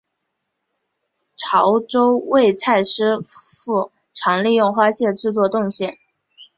潮洲味菜师傅常利用花蟹制作冻蟹。